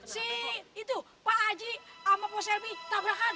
si itu pak haji sama pak selby tabrakan